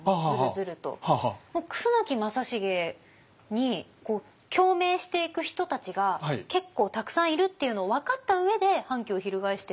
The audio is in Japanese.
楠木正成に共鳴していく人たちが結構たくさんいるっていうのを分かった上で反旗を翻してるのか。